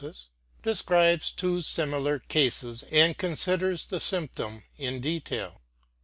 describes two similar cases, and considers the symptom in detail.